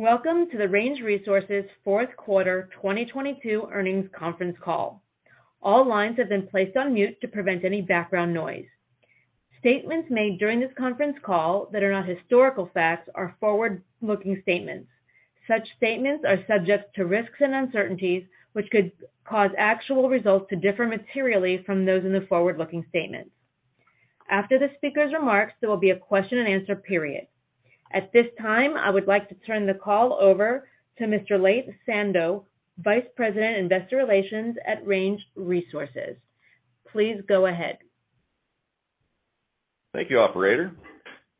Welcome to the Range Resources Q4 2022 earnings conference call. All lines have been placed on mute to prevent any background noise. Statements made during this conference call that are not historical facts are forward-looking statements. Such statements are subject to risks and uncertainties, which could cause actual results to differ materially from those in the forward-looking statements. After the speaker's remarks, there will be a question-and-answer period. At this time, I would like to turn the call over to Mr. Laith Sando, Vice President, Investor Relations at Range Resources. Please go ahead. Thank you, operator.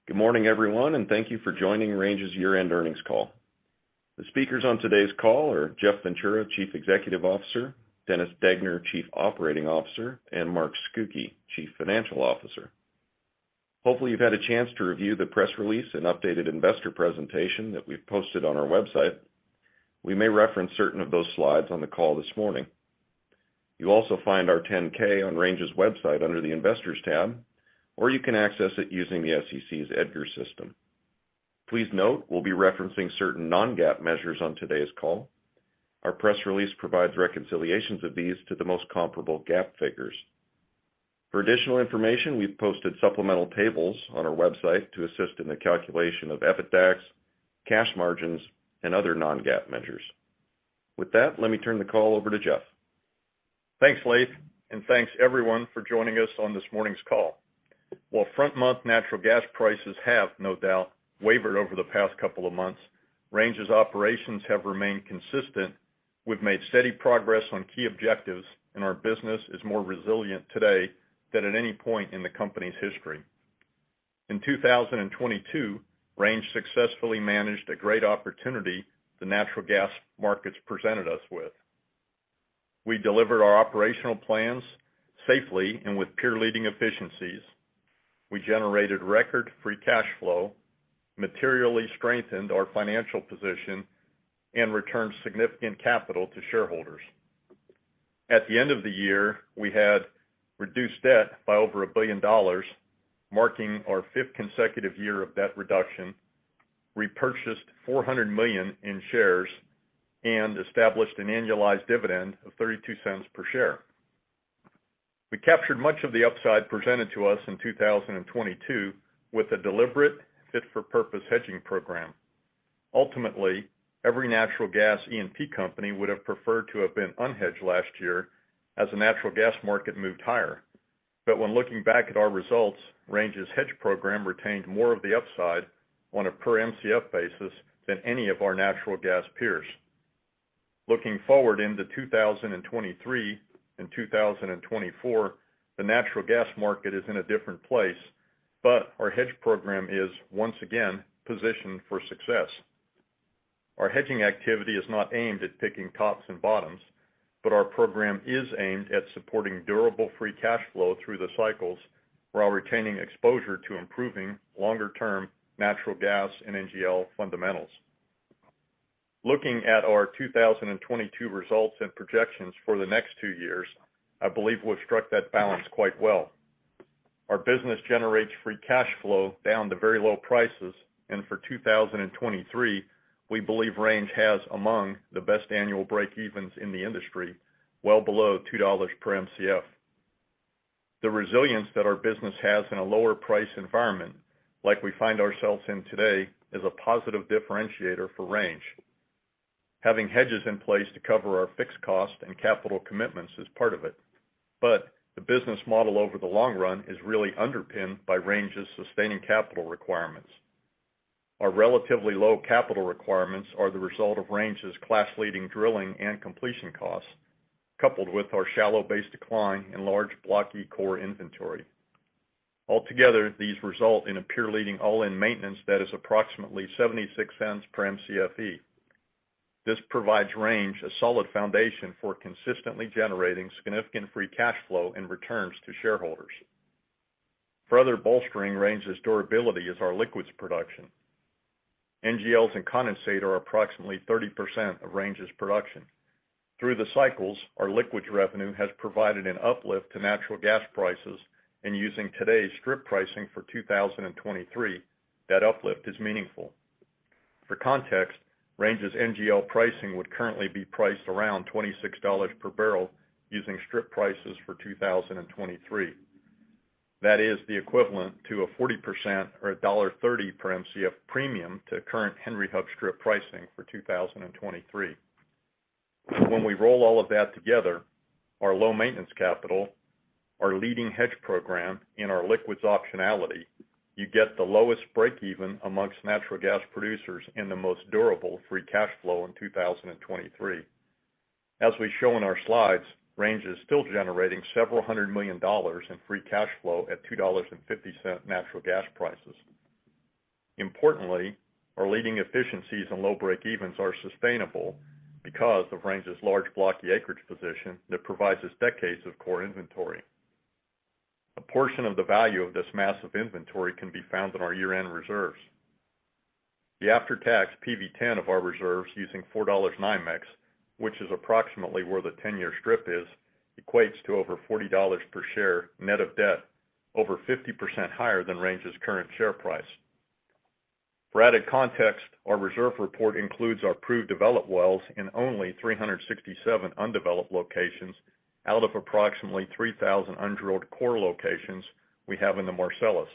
Good morning, everyone, and thank you for joining Range's year-end earnings call. The speakers on today's call are Jeff Ventura, Chief Executive Officer, Dennis Degner, Chief Operating Officer, and Mark Scucchi, Chief Financial Officer. Hopefully, you've had a chance to review the press release and updated investor presentation that we've posted on our website. We may reference certain of those slides on the call this morning. You'll also find our 10-K on Range's website under the Investors tab, or you can access it using the SEC's EDGAR system. Please note, we'll be referencing certain non-GAAP measures on today's call. Our press release provides reconciliations of these to the most comparable GAAP figures. For additional information, we've posted supplemental tables on our website to assist in the calculation of EBITDAX, cash margins, and other non-GAAP measures. With that, let me turn the call over to Jeff. Thanks, Laith. Thanks everyone for joining us on this morning's call. While front-month natural gas prices have no doubt wavered over the past couple of months, Range's operations have remained consistent. We've made steady progress on key objectives. Our business is more resilient today than at any point in the company's history. In 2022, Range successfully managed a great opportunity the natural gas markets presented us with. We delivered our operational plans safely and with peer-leading efficiencies. We generated record free cash flow, materially strengthened our financial position, and returned significant capital to shareholders. At the end of the year, we had reduced debt by over $1 billion, marking our fifth consecutive year of debt reduction. Repurchased 400 million in shares and established an annualized dividend of $0.32 per share. We captured much of the upside presented to us in 2022 with a deliberate fit-for-purpose hedging program. Ultimately, every natural gas E&P company would have preferred to have been unhedged last year as the natural gas market moved higher. When looking back at our results, Range's hedge program retained more of the upside on a per mcf basis than any of our natural gas peers. Looking forward into 2023 and 2024, the natural gas market is in a different place, our hedge program is once again positioned for success. Our hedging activity is not aimed at picking tops and bottoms, our program is aimed at supporting durable free cash flow through the cycles while retaining exposure to improving longer-term natural gas and NGL fundamentals. Looking at our 2022 results and projections for the next two years, I believe we've struck that balance quite well. Our business generates free cash flow down to very low prices. For 2023, we believe Range has among the best annual breakevens in the industry, well below $2 per mcf. The resilience that our business has in a lower price environment like we find ourselves in today is a positive differentiator for Range. Having hedges in place to cover our fixed cost and capital commitments is part of it, the business model over the long run is really underpinned by Range's sustaining capital requirements. Our relatively low capital requirements are the result of Range's class-leading drilling and completion costs, coupled with our shallow base decline and large block E core inventory. Altogether, these result in a peer-leading all-in maintenance that is approximately $0.76 per mcfe. This provides Range a solid foundation for consistently generating significant free cash flow and returns to shareholders. Further bolstering Range's durability is our liquids production. NGLs and condensate are approximately 30% of Range's production. Through the cycles, our liquids revenue has provided an uplift to natural gas prices, and using today's strip pricing for 2023, that uplift is meaningful. For context, Range's NGL pricing would currently be priced around $26 per barrel using strip prices for 2023. That is the equivalent to a 40% or a $1.30 per mcf premium to current Henry Hub strip pricing for 2023. When we roll all of that together, our low maintenance capital, our leading hedge program, and our liquids optionality, you get the lowest breakeven amongst natural gas producers and the most durable free cash flow in 2023. As we show in our slides, Range is still generating several hundred million dollars in free cash flow at $2.50 natural gas prices. Importantly, our leading efficiencies and low breakevens are sustainable because of Range's large blocky acreage position that provides us decades of core inventory. A portion of the value of this massive inventory can be found in our year-end reserves. The after-tax PV-10 of our reserves using $4 NYMEX, which is approximately where the 10-year strip isequates to over $40 per share net of debt, over 50% higher than Range's current share price. For added context, our reserve report includes our proved developed wells in only 367 undeveloped locations out of approximately 3,000 undrilled core locations we have in the Marcellus.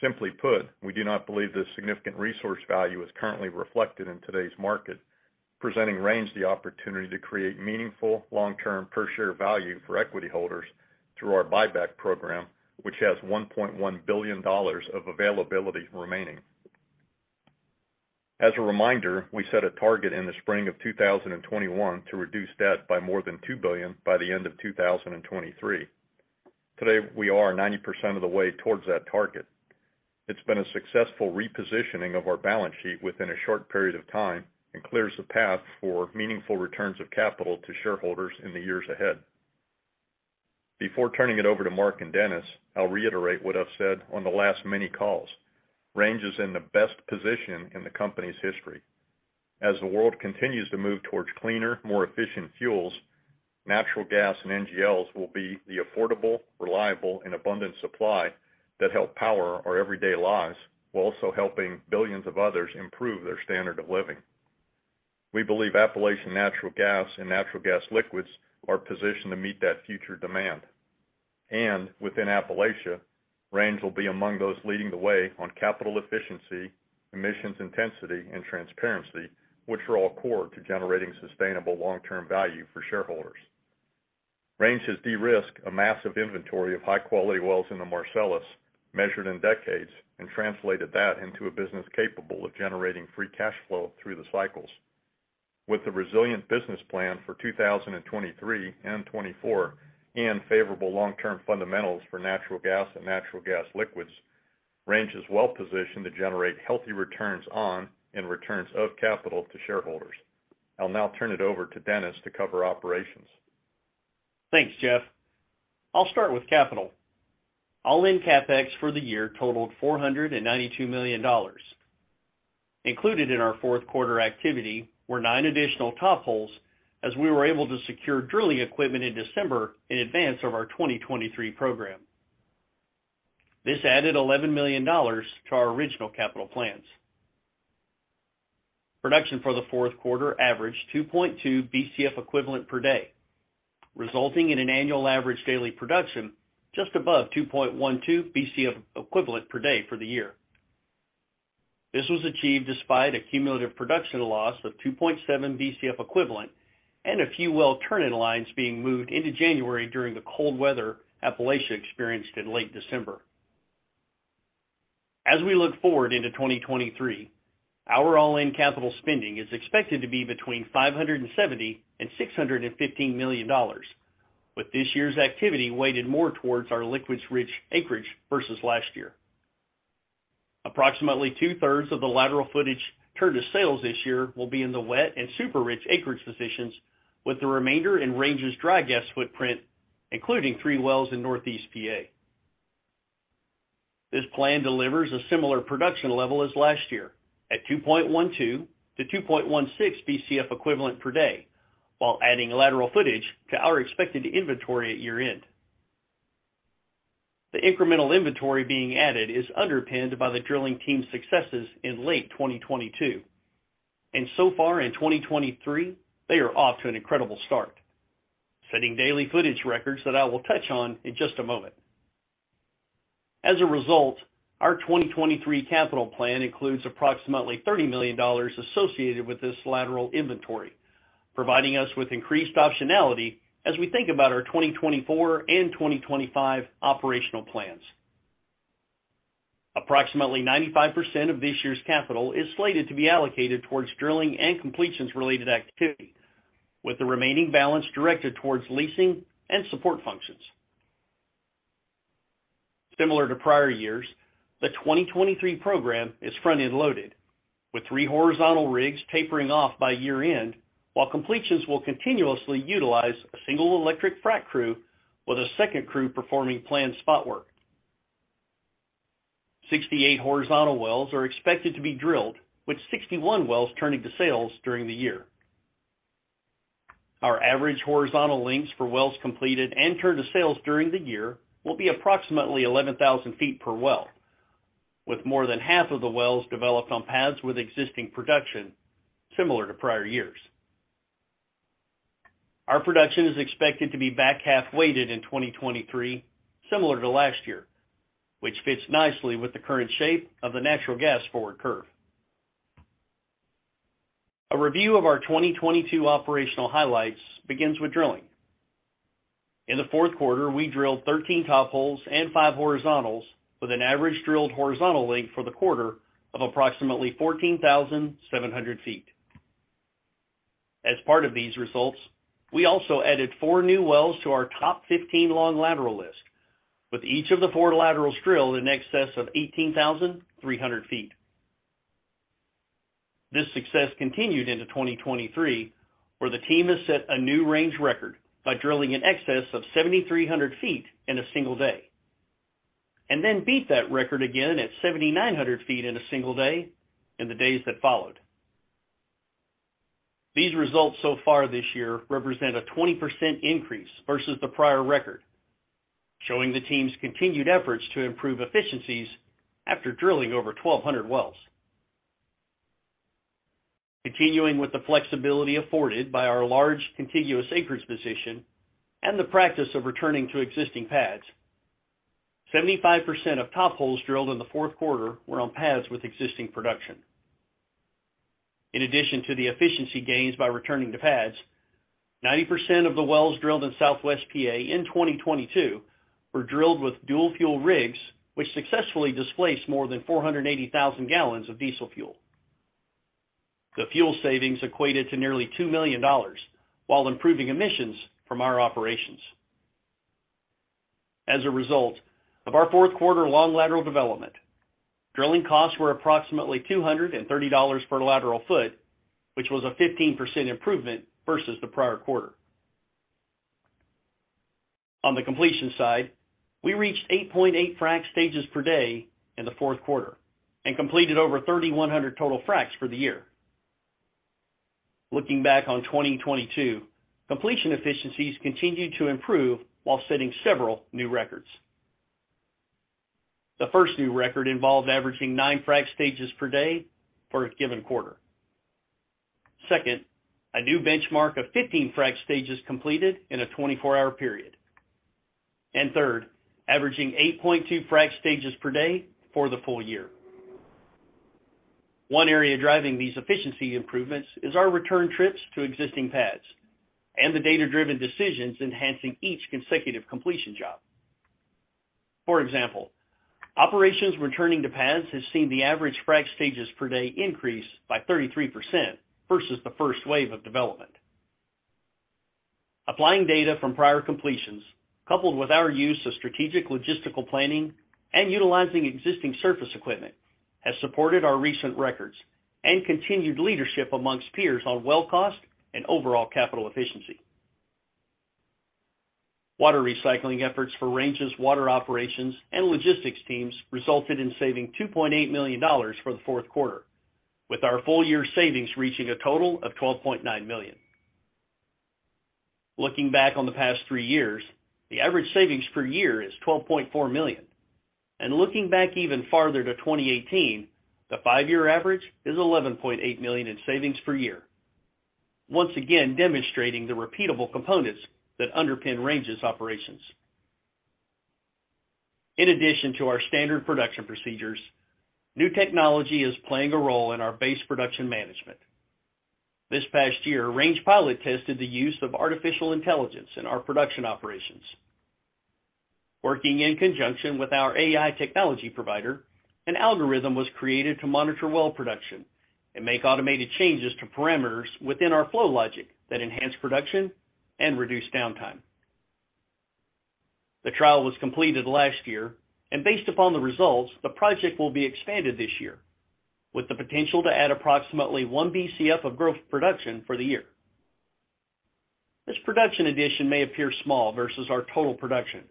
Simply put, we do not believe this significant resource value is currently reflected in today's market, presenting Range the opportunity to create meaningful long-term per share value for equity holders through our buyback program, which has $1.1 billion of availability remaining. As a reminder, we set a target in the spring of 2021 to reduce debt by more than $2 billion by the end of 2023. Today, we are 90% of the way towards that target. It's been a successful repositioning of our balance sheet within a short period of time and clears the path for meaningful returns of capital to shareholders in the years ahead. Before turning it over to Mark and Dennis, I'll reiterate what I've said on the last many calls. Range is in the best position in the company's history. As the world continues to move towards cleaner, more efficient fuels, natural gas and NGLs will be the affordable, reliable, and abundant supply that help power our everyday lives while also helping billions of others improve their standard of living. We believe Appalachian natural gas and natural gas liquids are positioned to meet that future demand. Within Appalachia, Range will be among those leading the way on capital efficiency, emissions intensity, and transparency, which are all core to generating sustainable long-term value for shareholders. Range has de-risked a massive inventory of high-quality wells in the Marcellus, measured in decades, and translated that into a business capable of generating free cash flow through the cycles. With a resilient business plan for 2023 and 2024 and favorable long-term fundamentals for natural gas and natural gas liquids, Range is well-positioned to generate healthy returns on and returns of capital to shareholders. I'll now turn it over to Dennis to cover operations. Thanks, Jeff. I'll start with capital. All-in CapEx for the year totaled $492 million. Included in our Q4 activity were nine additional top holes as we were able to secure drilling equipment in December in advance of our 2023 program. This added $11 million to our original capital plans. Production for the Q4 averaged 2.2 Bcf equivalent per day, resulting in an annual average daily production just above 2.12 Bcf equivalent per day for the year. This was achieved despite a cumulative production loss of 2.7 Bcf equivalent and a few well turn-in-lines being moved into January during the cold weather Appalachia experienced in late December. We look forward into 2023, our all-in capital spending is expected to be between $570 million and $615 million, with this year's activity weighted more towards our liquids-rich acreage versus last year. Approximately 2/3 of the lateral footage turned to sales this year will be in the wet and super-rich acreage positions, with the remainder in Range's dry gas footprint, including three wells in Northeast PA. This plan delivers a similar production level as last year at 2.12-2.16 Bcf per day, while adding lateral footage to our expected inventory at year-end. The incremental inventory being added is underpinned by the drilling team's successes in late 2022. So far in 2023, they are off to an incredible start, setting daily footage records that I will touch on in just a moment. Our 2023 capital plan includes approximately $30 million associated with this lateral inventory, providing us with increased optionality as we think about our 2024 and 2025 operational plans. Approximately 95% of this year's capital is slated to be allocated towards drilling and completions related activity, with the remaining balance directed towards leasing and support functions. Similar to prior years, the 2023 program is front-end loaded with three horizontal rigs tapering off by year-end, while completions will continuously utilize a single electric frack crew with a second crew performing planned spot work. 68 horizontal wells are expected to be drilled, with 61 wells turning to sales during the year. Our average horizontal lengths for wells completed and turned to sales during the year will be approximately 11,000 feet per well, with more than half of the wells developed on pads with existing production similar to prior years. Our production is expected to be back-half weighted in 2023, similar to last year, which fits nicely with the current shape of the natural gas forward curve. A review of our 2022 operational highlights begins with drilling. In the Q4, we drilled 13 top holes and five horizontals with an average drilled horizontal length for the quarter of approximately 14,700 feet. As part of these results, we also added four new wells to our top 15 long lateral list, with each of the four laterals drilled in excess of 18,300 feet. This success continued into 2023, where the team has set a new Range record by drilling in excess of 7,300 feet in a single day. Then beat that record again at 7,900 feet in a single day in the days that followed. These results so far this year represent a 20% increase versus the prior record, showing the team's continued efforts to improve efficiencies after drilling over 1,200 wells. Continuing with the flexibility afforded by our large contiguous acreage position and the practice of returning to existing pads, 75% of top holes drilled in the Q4 were on pads with existing production. In addition to the efficiency gains by returning to pads, 90% of the wells drilled in Southwest PA in 2022 were drilled with dual-fuel rigs, which successfully displaced more than 480,000 gallons of diesel fuel. The fuel savings equated to nearly $2 million while improving emissions from our operations. As a result of our Q4 long lateral development, drilling costs were approximately $230 per lateral foot, which was a 15% improvement versus the prior quarter. On the completion side, we reached 8.8 frac stages per day in the Q4 and completed over 3,100 total fracs for the year. Looking back on 2022, completion efficiencies continued to improve while setting several new records. The first new record involved averaging 9 frac stages per day for a given quarter. Second, a new benchmark of 15 frac stages completed in a 24-hour period. Third, averaging 8.2 frac stages per day for the full year. One area driving these efficiency improvements is our return trips to existing pads and the data-driven decisions enhancing each consecutive completion job. For example, operations returning to pads has seen the average frac stages per day increase by 33% versus the first wave of development. Applying data from prior completions, coupled with our use of strategic logistical planning and utilizing existing surface equipment, has supported our recent records and continued leadership amongst peers on well cost and overall capital efficiency. Water recycling efforts for Range's water operations and logistics teams resulted in saving $2.8 million for the Q4, with our full year savings reaching a total of $12.9 million. Looking back on the past three years, the average savings per year is $12.4 million. Looking back even farther to 2018, the five-year average is $11.8 million in savings per year, once again demonstrating the repeatable components that underpin Range's operations. In addition to our standard production procedures, new technology is playing a role in our base production management. This past year, Range pilot tested the use of artificial intelligence in our production operations. Working in conjunction with our AI technology provider, an algorithm was created to monitor well production and make automated changes to parameters within our flow logic that enhance production and reduce downtime. The trial was completed last year, and based upon the results, the project will be expanded this year with the potential to add approximately 1 Bcf of growth production for the year. This production addition may appear small versus our total production,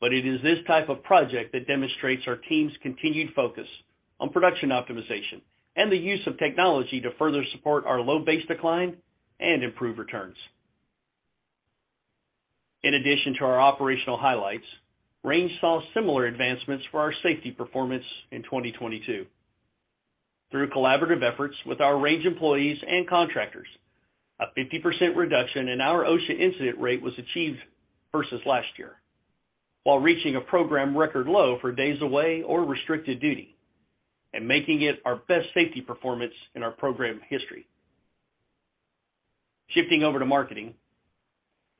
but it is this type of project that demonstrates our team's continued focus on production optimization and the use of technology to further support our low base decline and improve returns. In addition to our operational highlights, Range saw similar advancements for our safety performance in 2022. Through collaborative efforts with our Range employees and contractors, a 50% reduction in our OSHA incident rate was achieved versus last year, while reaching a program record low for days away or restricted duty and making it our best safety performance in our program history. Shifting over to marketing,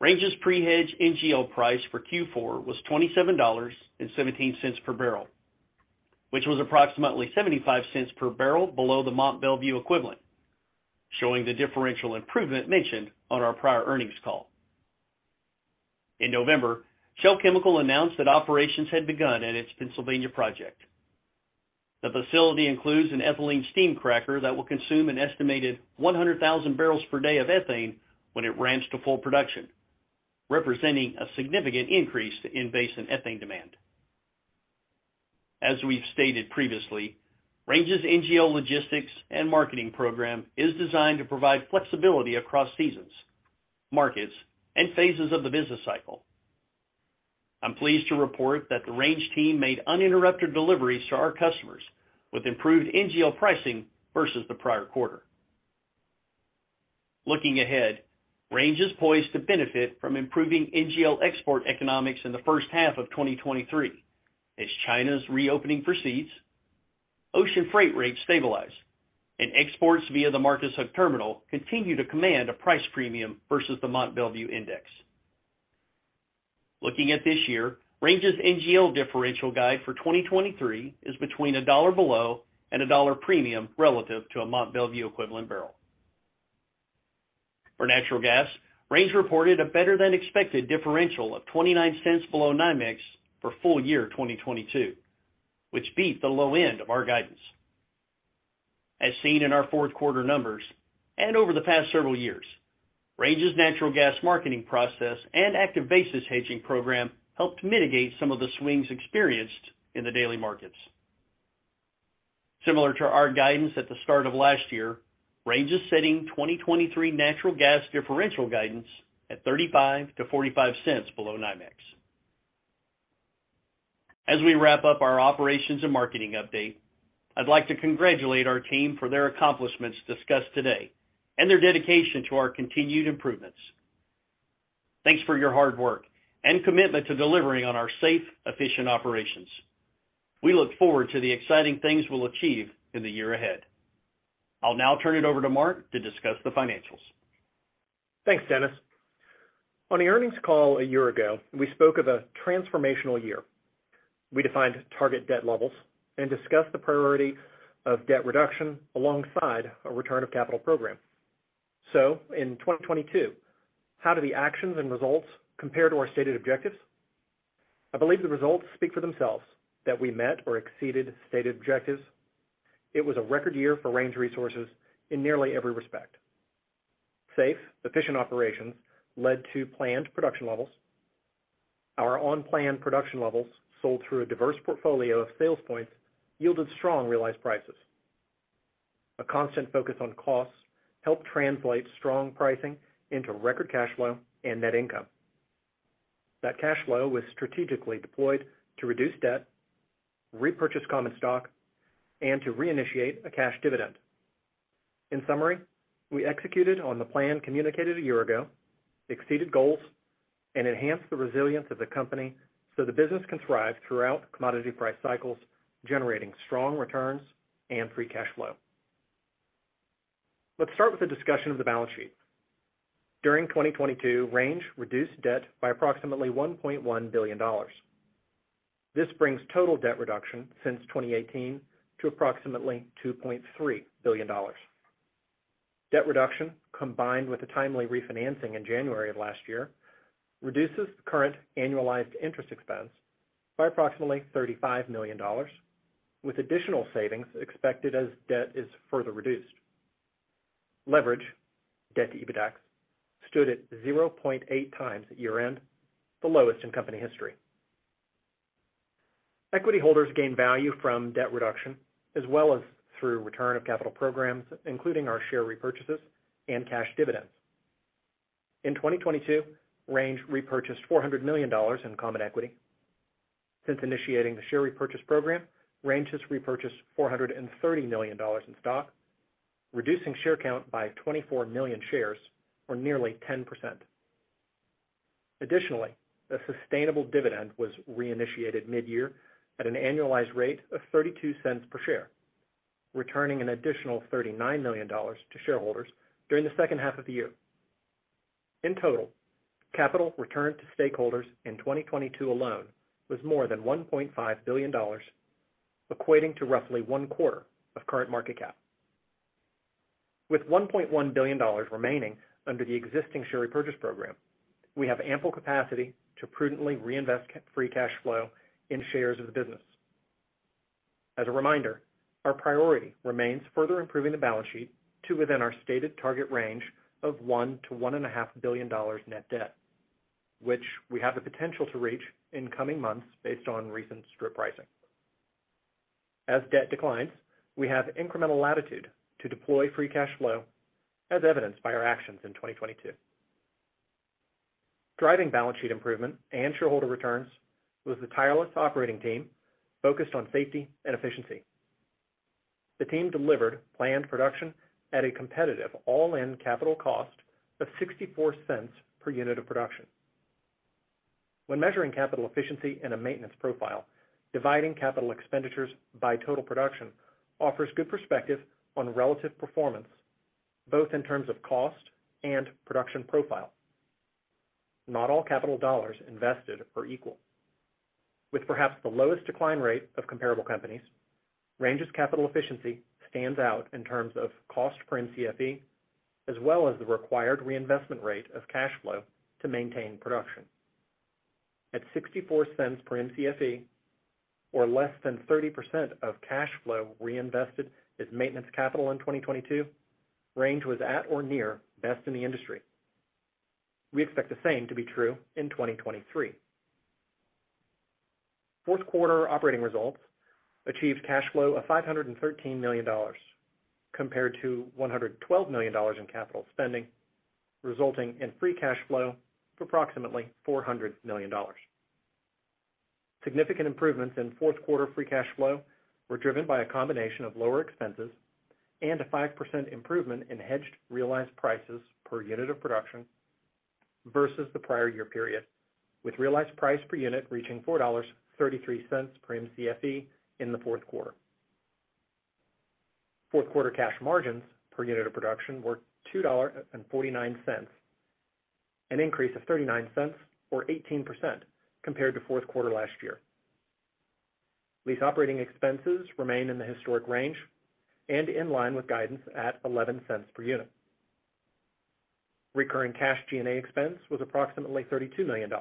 Range's pre-hedge NGL price for Q4 was $27.17 per barrel, which was approximately $0.75 per barrel below the Mont Belvieu equivalent, showing the differential improvement mentioned on our prior earnings call. In November, Shell Chemical announced that operations had begun at its Pennsylvania project. The facility includes an ethylene steam cracker that will consume an estimated 100,000 barrels per day of ethane when it ramps to full production, representing a significant increase to in-basin ethane demand. As we've stated previously, Range's NGL logistics and marketing program is designed to provide flexibility across seasons, markets, and phases of the business cycle. I'm pleased to report that the Range team made uninterrupted deliveries to our customers with improved NGL pricing versus the prior quarter. Looking ahead, Range is poised to benefit from improving NGL export economics in the first half of 2023 as China's reopening proceeds, ocean freight rates stabilize, and exports via the Marcus Hook terminal continue to command a price premium versus the Mont Belvieu index. Looking at this year, Range's NGL differential guide for 2023 is between $1 below and a $1 premium relative to a Mont Belvieu equivalent barrel. For natural gas, Range reported a better-than-expected differential of $0.29 below NYMEX for full year 2022, which beat the low end of our guidance. As seen in our Q4 numbers and over the past several years, Range's natural gas marketing process and active basis hedging program helped mitigate some of the swings experienced in the daily markets. Similar to our guidance at the start of last year, Range is setting 2023 natural gas differential guidance at $0.35-$0.45 below NYMEX. As we wrap up our operations and marketing update, I'd like to congratulate our team for their accomplishments discussed today and their dedication to our continued improvements. Thanks for your hard work and commitment to delivering on our safe, efficient operations. We look forward to the exciting things we'll achieve in the year ahead. I'll now turn it over to Mark to discuss the financials. Thanks, Dennis. On the earnings call a year ago, we spoke of a transformational year. We defined target debt levels and discussed the priority of debt reduction alongside a return of capital program. In 2022, how do the actions and results compare to our stated objectives? I believe the results speak for themselves that we met or exceeded stated objectives. It was a record year for Range Resources in nearly every respect. Safe, efficient operations led to planned production levels. Our on-plan production levels sold through a diverse portfolio of sales points yielded strong realized prices. A constant focus on costs helped translate strong pricing into record cash flow and net income. That cash flow was strategically deployed to reduce debt, repurchase common stock, and to reinitiate a cash dividend. In summary, we executed on the plan communicated a year ago, exceeded goals, and enhanced the resilience of the company so the business can thrive throughout commodity price cycles, generating strong returns and free cash flow. Let's start with a discussion of the balance sheet. During 2022, Range reduced debt by approximately $1.1 billion. This brings total debt reduction since 2018 to approximately $2.3 billion. Debt reduction, combined with a timely refinancing in January of last year, reduces the current annualized interest expense by approximately $35 million, with additional savings expected as debt is further reduced. Leverage, debt to EBITDA, stood at 0.8x at year-end, the lowest in company history. Equity holders gained value from debt reduction as well as through return of capital programs, including our share repurchases and cash dividends. In 2022, Range repurchased $400 million in common equity. Since initiating the share repurchase program, Range has repurchased $430 million in stock, reducing share count by 24 million shares, or nearly 10%. Additionally, a sustainable dividend was reinitiated mid-year at an annualized rate of $0.32 per share, returning an additional $39 million to shareholders during the second half of the year. In total, capital returned to stakeholders in 2022 alone was more than $1.5 billion, equating to roughly one-quarter of current market cap. With $1.1 billion remaining under the existing share repurchase program, we have ample capacity to prudently reinvest free cash flow in shares of the business. As a reminder, our priority remains further improving the balance sheet to within our stated target range of $1 billion to one and a half billion dollars net debt, which we have the potential to reach in coming months based on recent strip pricing. As debt declines, we have incremental latitude to deploy free cash flow, as evidenced by our actions in 2022. Driving balance sheet improvement and shareholder returns was the tireless operating team focused on safety and efficiency. The team delivered planned production at a competitive all-in capital cost of $0.64 per unit of production. When measuring capital efficiency in a maintenance profile, dividing capital expenditures by total production offers good perspective on relative performance, both in terms of cost and production profile. Not all capital dollars invested are equal. With perhaps the lowest decline rate of comparable companies, Range's capital efficiency stands out in terms of cost per mcfe, as well as the required reinvestment rate of cash flow to maintain production. At $0.64 per mcfe, or less than 30% of cash flow reinvested as maintenance capital in 2022, Range was at or near best in the industry. We expect the same to be true in 2023. Q4 operating results achieved cash flow of $513 million compared to $112 million in capital spending, resulting in free cash flow of approximately $400 million. Significant improvements in Q4 free cash flow were driven by a combination of lower expenses and a 5% improvement in hedged realized prices per unit of production versus the prior year period, with realized price per unit reaching $4.33 per mcfe in the Q4. Q4 cash margins per unit of production were $2.49, an increase of $0.39 or 18% compared to Q4 last year. Lease operating expenses remain in the historic range and in line with guidance at $0.11 per unit. Recurring cash G&A expense was approximately $32 million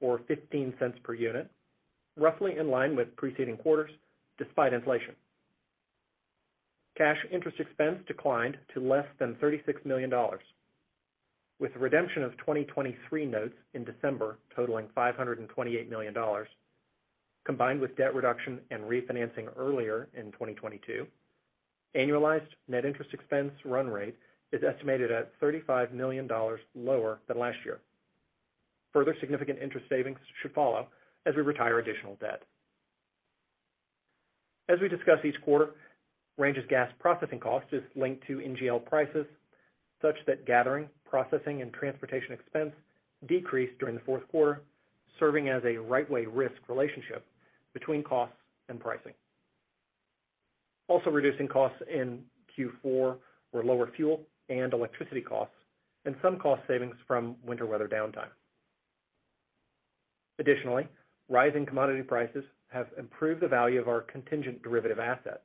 or $0.15 per unit, roughly in line with preceding quarters despite inflation. Cash interest expense declined to less than $36 million. With redemption of 2023 notes in December totaling $528 million, combined with debt reduction and refinancing earlier in 2022, annualized net interest expense run rate is estimated at $35 million lower than last year. Further significant interest savings should follow as we retire additional debt. As we discuss each quarter, Range's gas processing cost is linked to NGL prices such that gathering, processing, and transportation expense decreased during the Q4, serving as a right way risk relationship between costs and pricing. Also reducing costs in Q4 were lower fuel and electricity costs and some cost savings from winter weather downtime. Additionally, rising commodity prices have improved the value of our contingent derivative asset,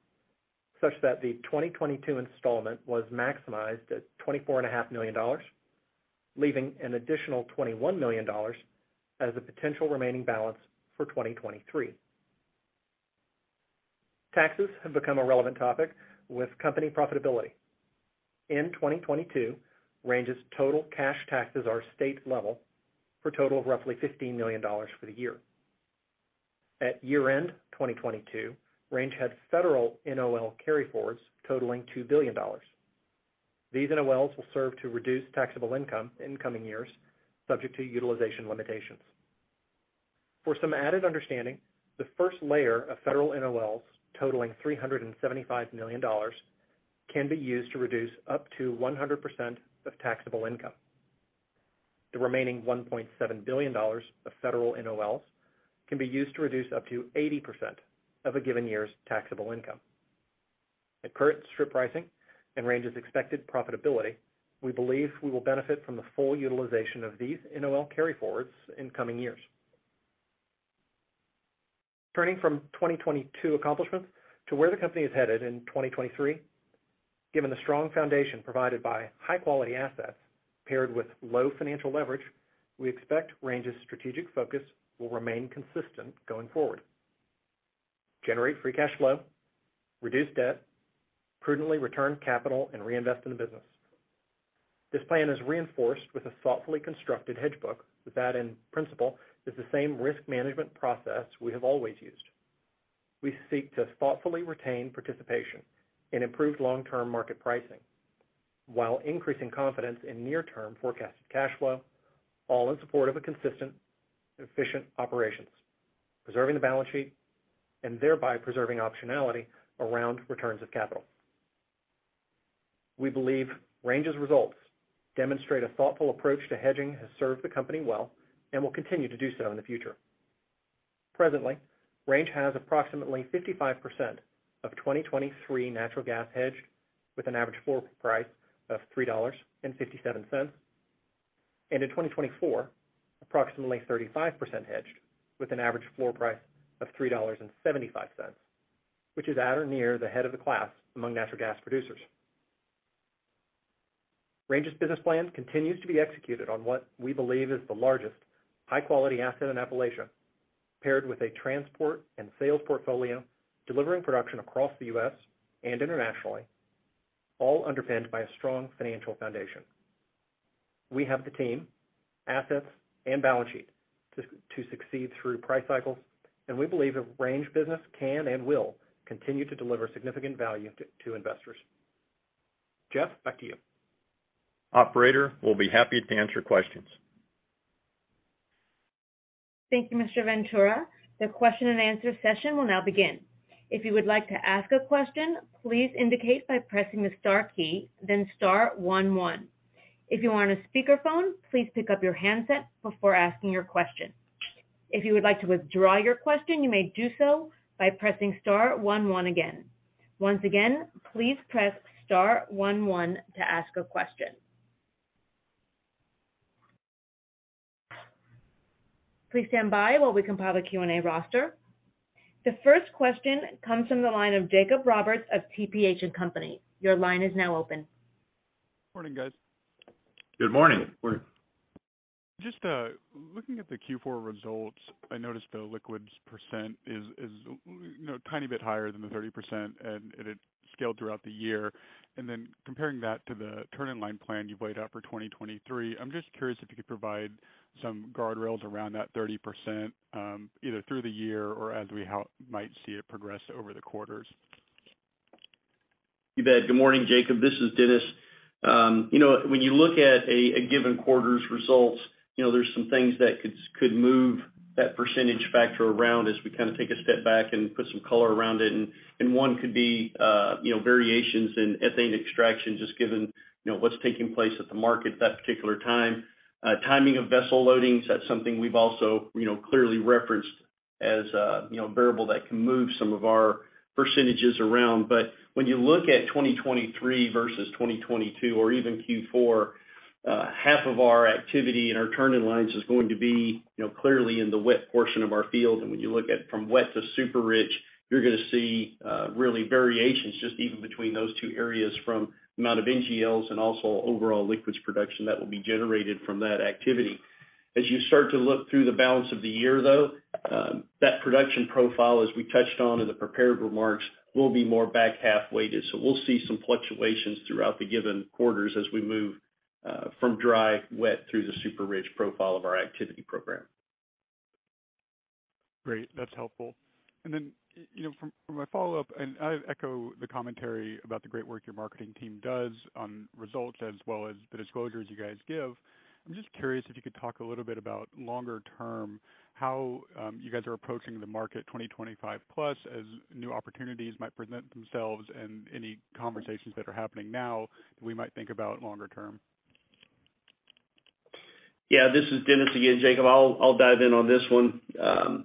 such that the 2022 installment was maximized at twenty-four and a half million dollars, leaving an additional $21 million as a potential remaining balance for 2023. Taxes have become a relevant topic with company profitability. In 2022, Range's total cash taxes are state level for a total of roughly $15 million for the year. At year-end 2022, Range had federal NOL carryforwards totaling $2 billion. These NOLs will serve to reduce taxable income in coming years, subject to utilization limitations. For some added understanding, the first layer of federal NOLs totaling $375 million can be used to reduce up to 100% of taxable income. The remaining $1.7 billion of federal NOLs can be used to reduce up to 80% of a given year's taxable income. At current strip pricing and Range's expected profitability, we believe we will benefit from the full utilization of these NOL carryforwards in coming years. Turning from 2022 accomplishments to where the company is headed in 2023. Given the strong foundation provided by high-quality assets paired with low financial leverage, we expect Range's strategic focus will remain consistent going forward. Generate free cash flow, reduce debt, prudently return capital, and reinvest in the business. This plan is reinforced with a thoughtfully constructed hedge book that, in principle, is the same risk management process we have always used. We seek to thoughtfully retain participation in improved long-term market pricing while increasing confidence in near-term forecasted cash flow, all in support of a consistent and efficient operations, preserving the balance sheet and thereby preserving optionality around returns of capital. We believe Range's results demonstrate a thoughtful approach to hedging has served the company well and will continue to do so in the future. Presently, Range has approximately 55% of 2023 natural gas hedged with an average floor price of $3.57. In 2024, approximately 35% hedged with an average floor price of $3.75, which is at or near the head of the class among natural gas producers. Range's business plan continues to be executed on what we believe is the largest high-quality asset in Appalachia, paired with a transport and sales portfolio delivering production across the U.S. and internationally, all underpinned by a strong financial foundation. We have the team, assets, and balance sheet to succeed through price cycles, and we believe the Range business can and will continue to deliver significant value to investors. Jeff, back to you. Operator, we'll be happy to answer questions. Thank you, Mr. Ventura. The question and answer session will now begin. If you would like to ask a question, please indicate by pressing the star key, then star one one. If you are on a speakerphone, please pick up your handset before asking your question. If you would like to withdraw your question, you may do so by pressing star one one again. Once again, please press star one one to ask a question. Please stand by while we compile a Q&A roster. The first question comes from the line of Jake Roberts of TPH&Co.. Your line is now open. Morning, guys. Good morning. Morning. Just looking at the Q4 results, I noticed the liquids percent is, you know, a tiny bit higher than the 30% and it had scaled throughout the year. Comparing that to the turning line plan you've laid out for 2023, I'm just curious if you could provide some guardrails around that 30%, either through the year or as we might see it progress over the quarters. You bet. Good morning, Jake. This is Dennis. You know, when you look at a given quarter's results, you know, there's some things that could move that percentage factor around as we kinda take a step back and put some color around it. One could be, you know, variations in ethane extraction just given, you know, what's taking place at the market that particular time. Timing of vessel loadings, that's something we've also, you know, clearly referenced as, you know, a variable that can move some of our percentages around. When you look at 2023 versus 2022 or even Q4, half of our activity in our turning lines is going to be, you know, clearly in the wet portion of our field. When you look at from wet to super rich, you're gonna see, really variations just even between those two areas from amount of NGLs and also overall liquids production that will be generated from that activity. As you start to look through the balance of the year, though... That production profile, as we touched on in the prepared remarks, will be more back-half weighted. We'll see some fluctuations throughout the given quarters as we move from dry wet through the super rich profile of our activity program. Great, that's helpful. You know, for my follow-up, and I echo the commentary about the great work your marketing team does on results as well as the disclosures you guys give. I'm just curious if you could talk a little bit about longer term, how you guys are approaching the market 2025 plus, as new opportunities might present themselves and any conversations that are happening now that we might think about longer term. This is Dennis again, Jake. I'll dive in on this one.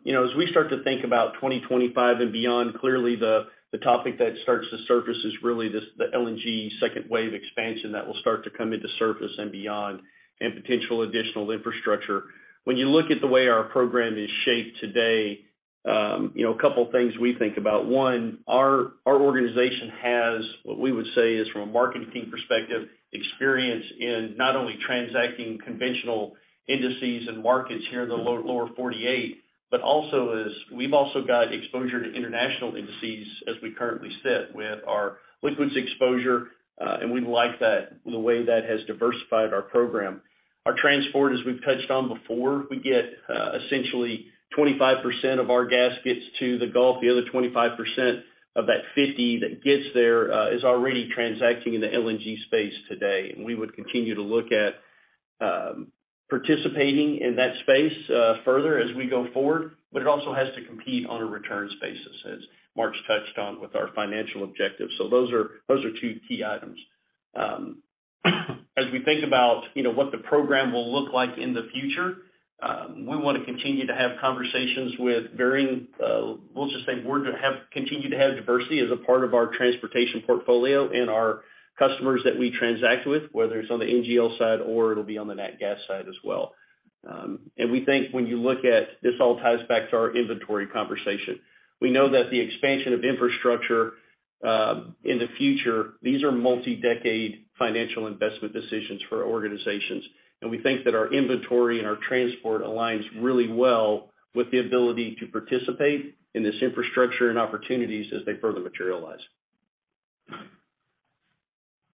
You know, as we start to think about 2025 and beyond, clearly the topic that starts to surface is really the LNG second wave expansion that will start to come into surface and beyond and potential additional infrastructure. When you look at the way our program is shaped today, you know, a couple things we think about. One, our organization has, what we would say is from a marketing perspective, experience in not only transacting conventional indices and markets here in the low-lower 48, but also is we've also got exposure to international indices as we currently sit with our liquids exposure, and we like that, the way that has diversified our program. Our transport, as we've touched on before, we get, essentially 25% of our gas gets to the Gulf. The other 25% of that 50 that gets there, is already transacting in the LNG space today. We would continue to look at participating in that space further as we go forward. It also has to compete on a returns basis, as Mark's touched on with our financial objectives. Those are two key items. As we think about, you know, what the program will look like in the future, we wanna continue to have conversations with varying, we'll just say we're gonna continue to have diversity as a part of our transportation portfolio and our customers that we transact with, whether it's on the NGL side or it'll be on the nat gas side as well. We think when you look at this all ties back to our inventory conversation. We know that the expansion of infrastructure, in the future, these are multi-decade financial investment decisions for our organizations. We think that our inventory and our transport aligns really well with the ability to participate in this infrastructure and opportunities as they further materialize.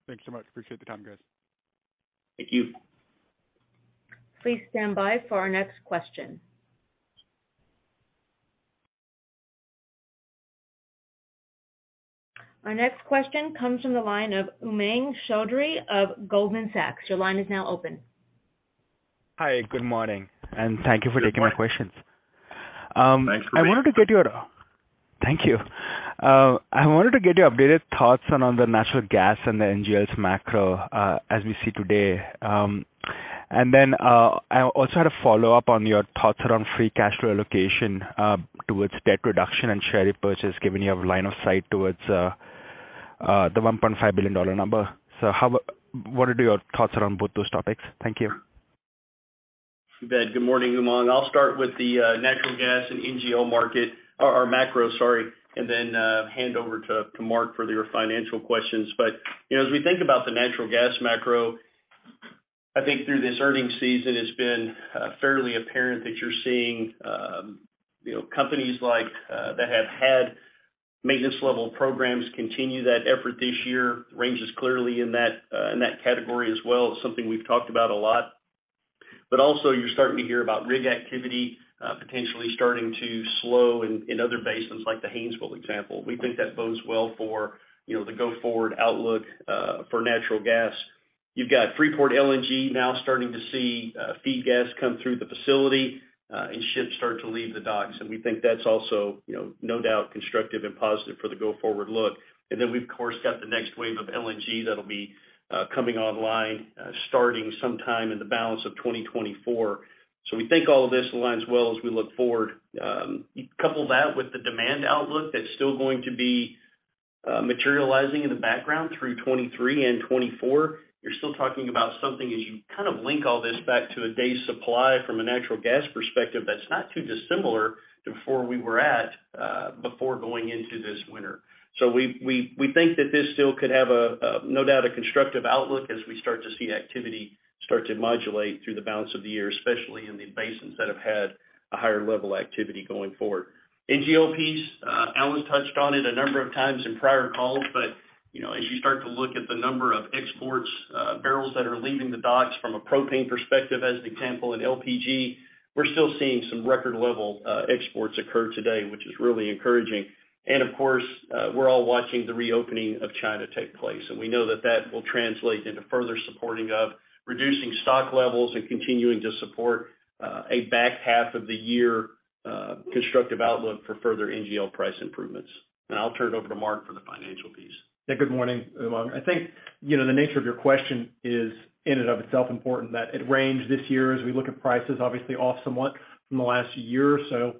Thanks so much. Appreciate the time, guys. Thank you. Please stand by for our next question. Our next question comes from the line of Umang Choudhry of Goldman Sachs. Your line is now open. Hi, good morning, and thank you for taking my questions. Thanks. I wanted to get your... Thank you. I wanted to get your updated thoughts on the natural gas and the NGLs macro, as we see today. Then, I also had a follow-up on your thoughts around free cash flow allocation, towards debt reduction and share repurchase, given you have line of sight towards the $1.5 billion number. What are your thoughts around both those topics? Thank you. You bet. Good morning, Umang. I'll start with the natural gas and NGL market or macro, sorry, and then hand over to Mark for your financial questions. You know, as we think about the natural gas macro, I think through this earnings season, it's been fairly apparent that you're seeing, you know, companies like that have had maintenance level programs continue that effort this year. Range is clearly in that in that category as well. It's something we've talked about a lot. Also you're starting to hear about rig activity, potentially starting to slow in other basins, like the Haynesville example. We think that bodes well for, you know, the go-forward outlook for natural gas. You've got Freeport LNG now starting to see feed gas come through the facility and ships start to leave the docks. We think that's also, you know, no doubt constructive and positive for the go-forward look. Then we've, of course, got the next wave of LNG that'll be coming online starting sometime in the balance of 2024. We think all of this aligns well as we look forward. Couple that with the demand outlook that's still going to be materializing in the background through 2023 and 2024. You're still talking about something as you kind of link all this back to a day supply from a natural gas perspective that's not too dissimilar to before we were at before going into this winter. We think that this still could have no doubt, a constructive outlook as we start to see activity start to modulate through the balance of the year, especially in the basins that have had a higher level activity going forward. NGL piece, Alan touched on it a number of times in prior calls, but, you know, as you start to look at the number of exports, barrels that are leaving the docks from a propane perspective, as an example, and LPG, we're still seeing some record level, exports occur today, which is really encouraging. Of course, we're all watching the reopening of China take place, and we know that that will translate into further supporting of reducing stock levels and continuing to support, a back half of the year, constructive outlook for further NGL price improvements. I'll turn it over to Mark for the financial piece. Yeah. Good morning, Umang. I think, you know, the nature of your question is in and of itself important that at Range this year, as we look at prices obviously off somewhat from the last year or so,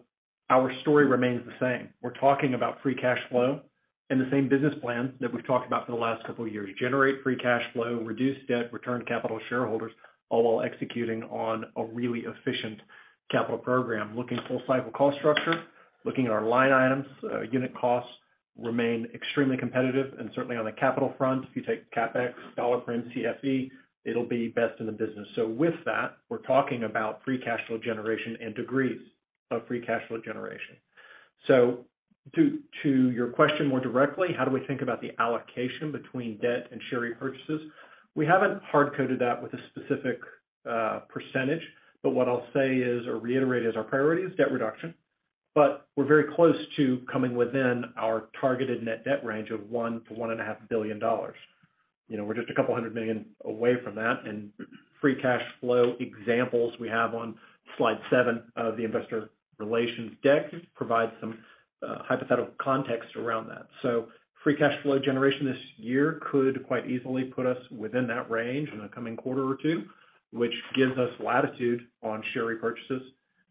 our story remains the same. We're talking about free cash flow and the same business plan that we've talked about for the last couple of years. Generate free cash flow, reduce debt, return capital to shareholders, all while executing on a really efficient capital program. Looking full cycle cost structure, looking at our line items, unit costs remain extremely competitive and certainly on the capital front, if you take CapEx, dollar per CFE, it'll be best in the business. With that, we're talking about free cash flow generation and degrees of free cash flow generation. To your question more directly, how do we think about the allocation between debt and share repurchases? We haven't hard coded that with a specific percentage. What I'll say is, or reiterate as our priority is debt reduction. We're very close to coming within our targeted net debt range of $1 billion to one and a half billion dollars. You know, we're just $200 million away from that. Free cash flow examples we have on slide seven of the investor relations deck provides some hypothetical context around that. Free cash flow generation this year could quite easily put us within that range in the coming quarter or two, which gives us latitude on share repurchases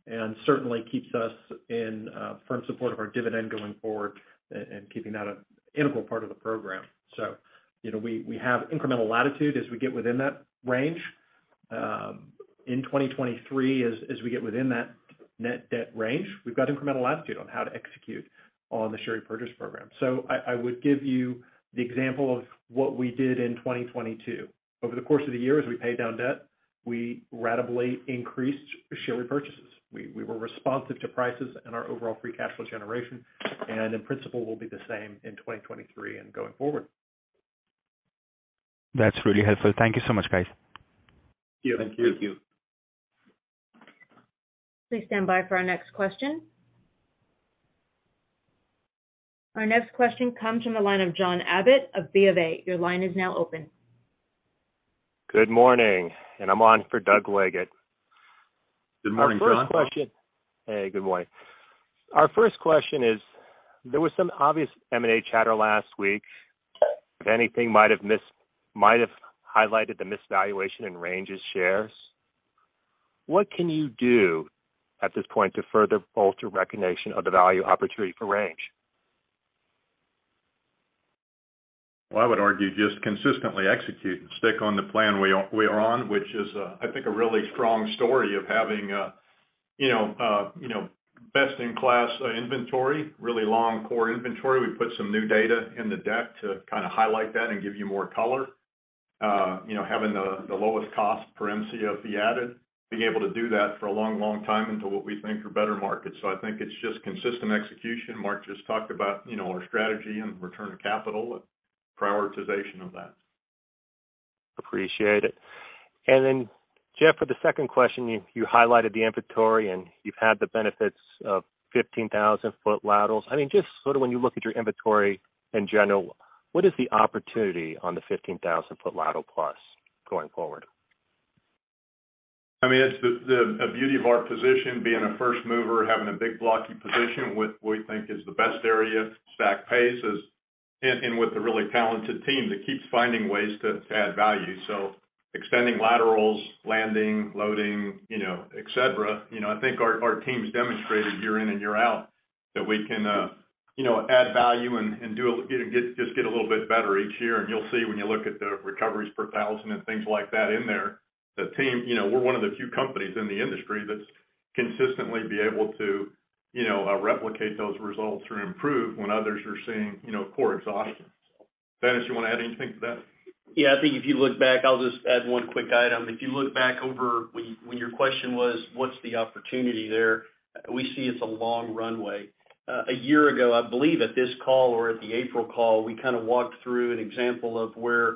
and certainly keeps us in firm support of our dividend going forward and keeping that an integral part of the program. you know, we have incremental latitude as we get within that range. In 2023 as we get within that net debt range, we've got incremental latitude on how to execute on the share repurchase program. I would give you the example of what we did in 2022. Over the course of the year as we paid down debt, we ratably increased share repurchases. We were responsive to prices and our overall free cash flow generation, and in principle will be the same in 2023 and going forward. That's really helpful. Thank you so much, guys. Thank you. Please stand by for our next question. Our next question comes from the line of John Abbott of BofA. Your line is now open. Good morning, and I'm on for Doug Leggate. Good morning, John. Hey, good morning. Our first question is, there was some obvious M&A chatter last week. If anything might have highlighted the misvaluation in Range's shares. What can you do at this point to further bolster recognition of the value opportunity for Range? I would argue just consistently execute and stick on the plan we are on, which is, I think a really strong story of having, you know, you know, best in class inventory, really long core inventory. We put some new data in the deck to kind of highlight that and give you more color. You know, having the lowest cost per mcf added, being able to do that for a long, long time into what we think are better markets. I think it's just consistent execution. Mark just talked about, you know, our strategy and return of capital and prioritization of that. Appreciate it. Then, Jeff, for the second question, you highlighted the inventory, and you've had the benefits of 15,000 foot laterals. I mean, just sort of when you look at your inventory in general, what is the opportunity on the 15,000 foot lateral plus going forward? I mean, it's the beauty of our position, being a first mover, having a big blocky position, which we think is the best area, stack pace is... With a really talented team that keeps finding ways to add value. Extending laterals, landing, loading, you know, et cetera. You know, I think our team's demonstrated year in and year out that we can, you know, add value and just get a little bit better each year. You'll see when you look at the recoveries per 1,000 and things like that in there, the team, you know, we're one of the few companies in the industry that's consistently be able to, you know, replicate those results or improve when others are seeing, you know, core exhaustion. Dennis, you want to add anything to that? I think if you look back, I'll just add one quick item. If you look back over when your question was, what's the opportunity there, we see it's a long runway. A year ago, I believe at this call or at the April call, we kind of walked through an example of where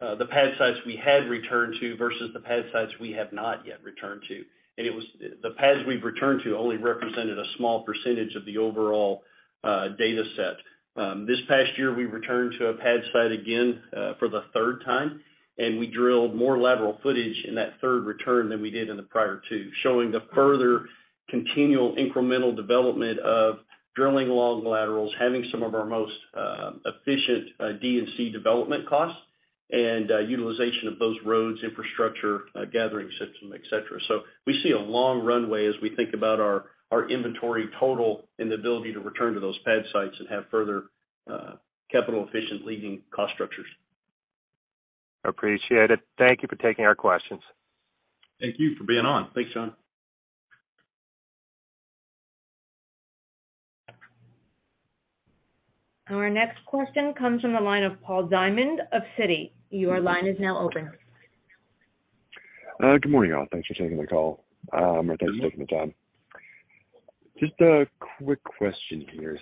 the pad sites we had returned to versus the pad sites we have not yet returned to. The pads we've returned to only represented a small percentage of the overall data set. This past year, we returned to a pad site again, for the third time. We drilled more lateral footage in that third return than we did in the prior two, showing the further continual incremental development of drilling long laterals, having some of our most efficient DNC development costs and utilization of those roads, infrastructure, gathering system, et cetera. We see a long runway as we think about our inventory total and the ability to return to those pad sites and have further capital efficient leading cost structures. Appreciate it. Thank you for taking our questions. Thank you for being on. Thanks, John. Our next question comes from the line of Paul Diamond of Citi. Your line is now open. Good morning, all. Thanks for taking the call. Or thanks for taking the time. Just a quick question here.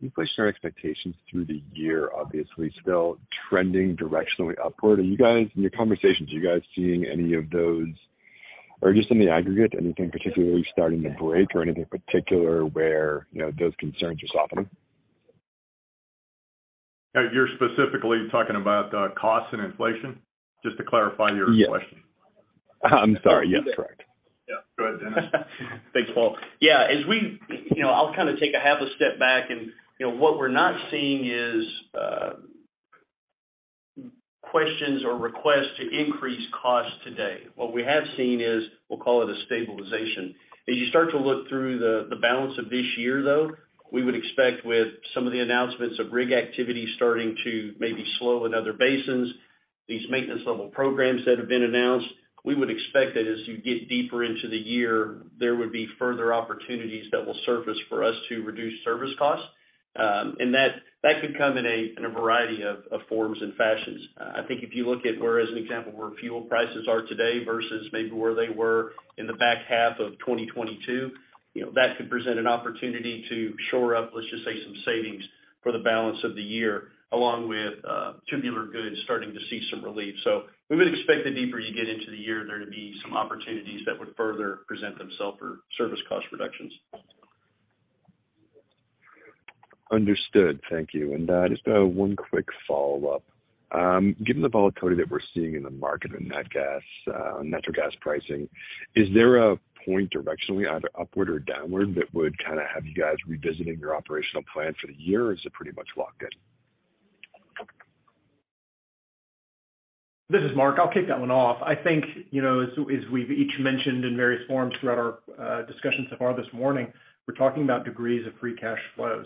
You pushed our expectations through the year, obviously, still trending directionally upward. Are you guys, in your conversations, are you guys seeing any of those-- or just in the aggregate, anything particularly starting to break or anything particular where, you know, those concerns are softening? You're specifically talking about cost and inflation? Just to clarify your question. Yes. I'm sorry. Yes, correct. Yeah. Go ahead, Dennis. Thanks, Paul. Yeah, as you know, I'll kind of take a half a step back and, you know, what we're not seeing is questions or requests to increase costs today. What we have seen is, we'll call it a stabilization. As you start to look through the balance of this year, though, we would expect with some of the announcements of rig activity starting to maybe slow in other basins. These maintenance level programs that have been announced, we would expect that as you get deeper into the year, there would be further opportunities that will surface for us to reduce service costs. That could come in a variety of forms and fashions. I think if you look at where, as an example, where fuel prices are today versus maybe where they were in the back half of 2022, you know, that could present an opportunity to shore up, let's just say, some savings for the balance of the year, along with tubular goods starting to see some relief. We would expect the deeper you get into the year there to be some opportunities that would further present themselves for service cost reductions. Understood. Thank you. Just, one quick follow-up. Given the volatility that we're seeing in the market in nat gas, natural gas pricing, is there a point directionally, either upward or downward, that would kinda have you guys revisiting your operational plan for the year, or is it pretty much locked in? This is Mark. I'll kick that one off. I think, you know, as we've each mentioned in various forms throughout our discussions so far this morning, we're talking about degrees of free cash flow.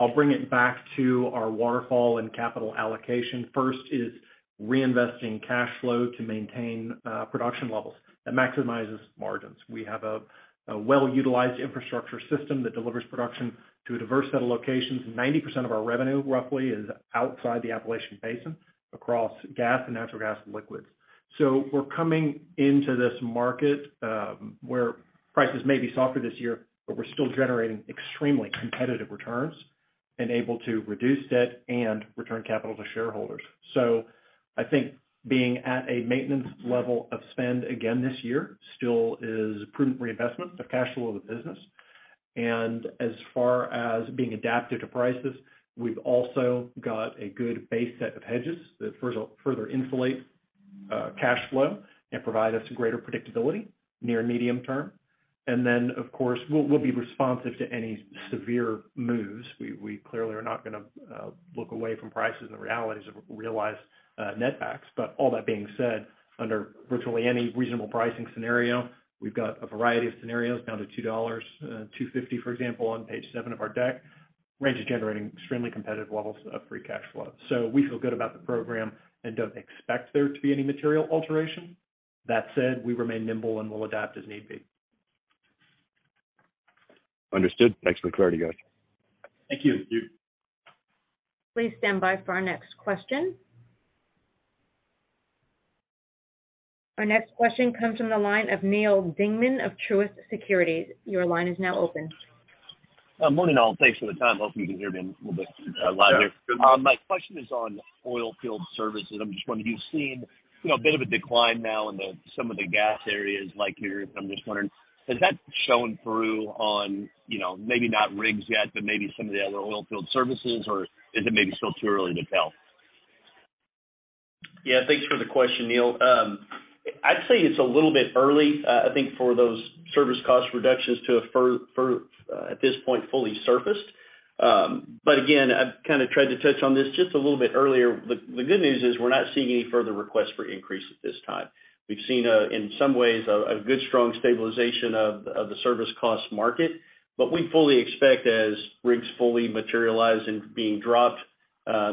I'll bring it back to our waterfall and capital allocation. First is reinvesting cash flow to maintain production levels. That maximizes margins. We have a well-utilized infrastructure system that delivers production to a diverse set of locations. 90% of our revenue, roughly, is outside the Appalachian Basin across gas and natural gas and liquids. We're coming into this market where prices may be softer this year, but we're still generating extremely competitive returns and able to reduce debt and return capital to shareholders. I think being at a maintenance level of spend again this year still is prudent reinvestment of cash flow of the business. As far as being adapted to prices, we've also got a good base set of hedges that further insulate cash flow and provide us greater predictability near medium term. Then, of course, we'll be responsive to any severe moves. We, we clearly are not gonna look away from prices and the realities of realized net backs. All that being said, under virtually any reasonable pricing scenario, we've got a variety of scenarios down to $2, $2.50, for example, on page seven of our deck, Range is generating extremely competitive levels of free cash flow. We feel good about the program and don't expect there to be any material alteration. That said, we remain nimble, and we'll adapt as need be. Understood. Thanks for the clarity, guys. Thank you. Thank you. Please stand by for our next question. Our next question comes from the line of Neal Dingmann of Truist Securities. Your line is now open. Morning, all. Thanks for the time. Hopefully you can hear me a little bit louder. My question is on oil field services. I'm just wondering, you've seen, you know, a bit of a decline now in the, some of the gas areas like here. I'm just wondering, has that shown through on, you know, maybe not rigs yet, but maybe some of the other oil field services, or is it maybe still too early to tell? Yeah. Thanks for the question, Neal. I'd say it's a little bit early, I think for those service cost reductions to have fully surfaced. Again, I've kind of tried to touch on this just a little bit earlier. The good news is we're not seeing any further requests for increase at this time. We've seen in some ways a good strong stabilization of the service cost market. What we fully expect as rigs fully materialize and being dropped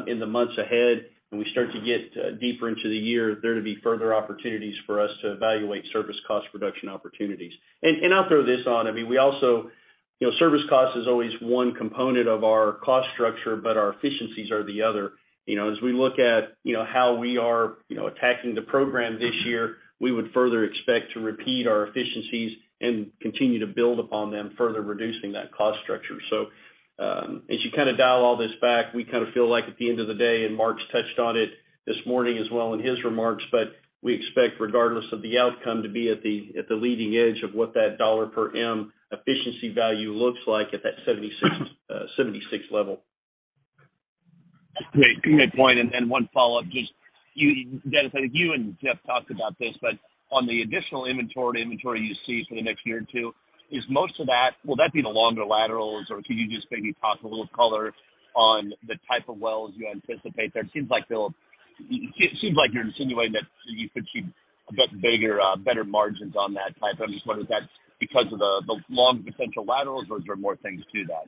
in the months ahead, when we start to get deeper into the year, there to be further opportunities for us to evaluate service cost reduction opportunities. I'll throw this on. I mean, we also. You know, service cost is always one component of our cost structure, but our efficiencies are the other. You know, as we look at, you know, how we are, you know, attacking the program this year, we would further expect to repeat our efficiencies and continue to build upon them, further reducing that cost structure. As you kinda dial all this back, we kinda feel like at the end of the day, and Mark's touched on it this morning as well in his remarks, but we expect, regardless of the outcome, to be at the, at the leading edge of what that dollar per M efficiency value looks like at that 76 level. Great. Good point. One follow-up, just Dennis, I think you and Jeff talked about this, but on the additional inventory you see for the next year or two, is most of that, will that be the longer laterals, or can you just maybe talk a little color on the type of wells you anticipate there? It seems like you're insinuating that you could achieve a bit bigger, better margins on that type. I'm just wondering if that's because of the long potential laterals, or is there more things to that?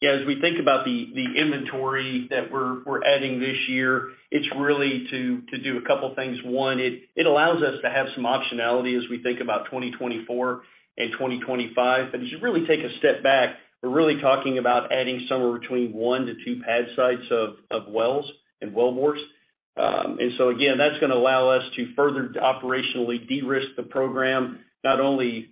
As we think about the inventory that we're adding this year, it's really to do a couple things. One, it allows us to have some optionality as we think about 2024 and 2025. As you really take a step back, we're really talking about adding somewhere between one to two pad sites of wells and well bores. Again, that's gonna allow us to further operationally de-risk the program, not only